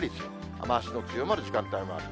雨足の強まる時間帯もある。